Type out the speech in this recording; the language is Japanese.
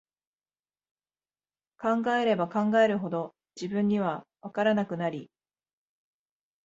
考えれば考えるほど、自分には、わからなくなり、